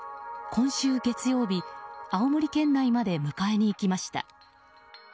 今週月曜日、青森県内まで迎えに行きました。